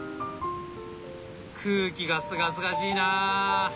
空気がすがすがしいな！